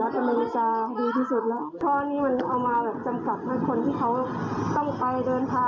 ที่สุดนะของสหรัฐคำมาวิจารณ์ดีที่สุดนะ